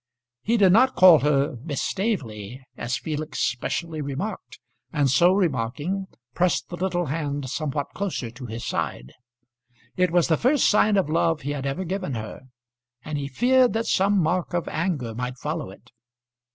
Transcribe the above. He did not call her Miss Staveley, as Felix specially remarked, and so remarking, pressed the little hand somewhat closer to his side. It was the first sign of love he had ever given her, and he feared that some mark of anger might follow it.